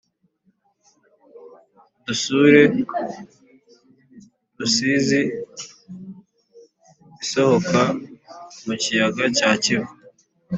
dusure rusizi isohoka mu kiyaga cya kivu